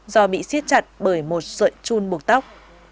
do bị xiết chặt bởi một dợi chun buộc tóc